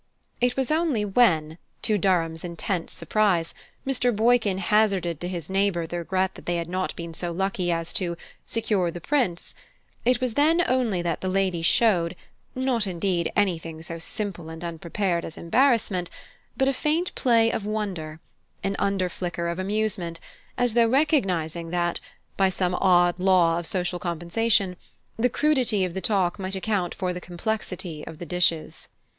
It was only when, to Durham's intense surprise, Mr. Boykin hazarded to his neighbour the regret that they had not been so lucky as to "secure the Prince" it was then only that the lady showed, not indeed anything so simple and unprepared as embarrassment, but a faint play of wonder, an under flicker of amusement, as though recognizing that, by some odd law of social compensation, the crudity of the talk might account for the complexity of the dishes.